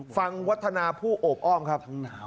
วัฒนาผู้โอบอ้อมครับ